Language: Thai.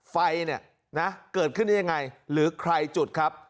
ไฟเกิดขึ้นอย่างไรหรือใครจุดครับ